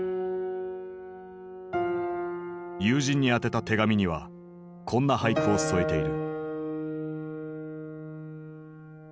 友人に宛てた手紙にはこんな俳句を添えている。